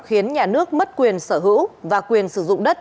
khiến nhà nước mất quyền sở hữu và quyền sử dụng đất